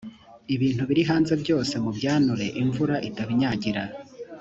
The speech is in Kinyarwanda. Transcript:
ibintu biri hanze byose mubyanure imvura itabinyagira